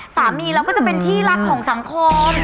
สามีเราก็จะเป็นที่รักของสังคม